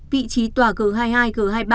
vị trí tòa g hai mươi hai g hai mươi ba